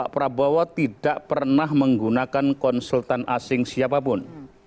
bahwa pak prabowo tidak pernah menggunakan konsultan asing siapapun